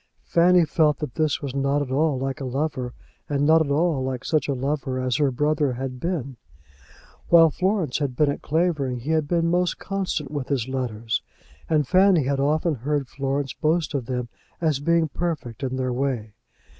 Fanny felt that this was not at all like a lover, and not at all like such a lover as her brother had been. While Florence had been at Clavering he had been most constant with his letters, and Fanny had often heard Florence boast of them as being perfect in their way.